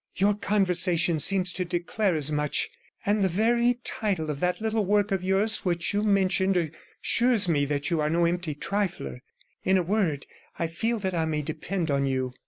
Your conversation seems to declare as much, and the very title of that little work of yours which you mentioned assures me that you are no empty trifler. In a word, I feel that I may depend on you.